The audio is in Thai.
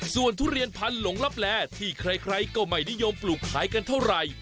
ส่วนทุเรียนพันธหลงลับแลที่ใครก็ไม่นิยมปลูกขายกันเท่าไหร่